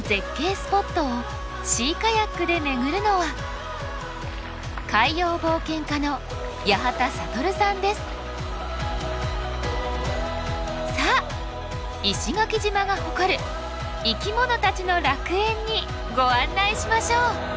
スポットをシーカヤックで巡るのはさあ石垣島が誇る生き物たちの楽園にご案内しましょう！